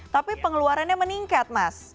tapi pengeluarannya meningkat